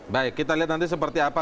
baik kita lihat nanti seperti apa